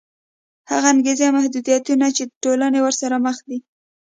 هغه انګېزې او محدودیتونه دي چې ټولنې ورسره مخ دي.